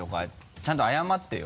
ちゃんと謝ってよ？